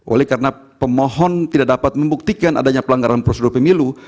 oleh karena pemohon tidak dapat membuktikan adanya pelanggaran prosedur pemilu